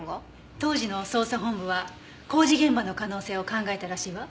当時の捜査本部は工事現場の可能性を考えたらしいわ。